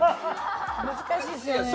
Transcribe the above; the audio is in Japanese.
難しいっすよね。